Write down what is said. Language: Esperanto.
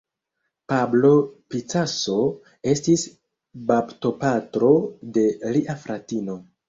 Pablo Picasso estis baptopatro de lia fratino.